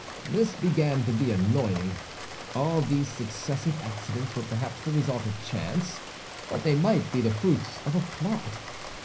This began to be annoying. All these successive accidents were perhaps the result of chance; but they might be the fruits of a plot.